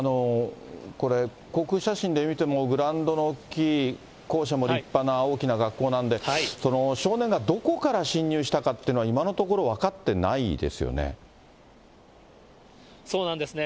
これ、航空写真で見ても、グラウンドの大きい校舎も立派な大きな学校なんで、少年がどこから侵入したかっていうのは、今のところ、分かってなそうなんですね。